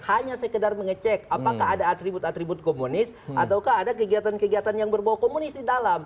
hanya sekedar mengecek apakah ada atribut atribut komunis ataukah ada kegiatan kegiatan yang berbau komunis di dalam